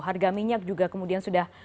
harga minyak juga kemudian sudah